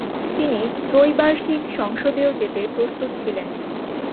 তিনি ত্রৈবার্ষিক সংসদেও যেতে প্রস্তুত ছিলেন।